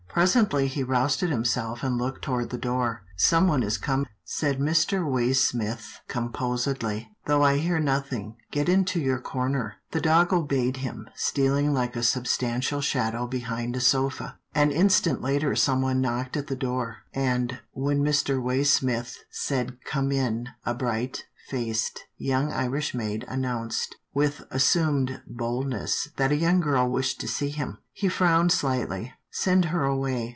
Presently he roused himself and looked toward the door. " Someone is coming," said Mr. Way smith composedly, " though I hear nothing — Get into your corner." The dog obeyed him, stealing like a substantial shadow behind a sofa. An instant later someone knocked at the door, and, when Mr. Waysmith said, " Come in," a bright faced, young Irish maid announced, with as sumed boldness, that a young girl wished to see him. He frowned slightly. " Send her away.